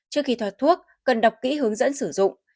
trước khi thoát thuốc cần đọc kỹ hướng dẫn sử dụng